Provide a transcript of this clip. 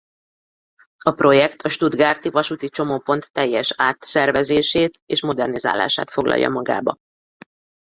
A projekt a stuttgarti vasúti csomópont teljes átszervezését és modernizálását foglalja magába.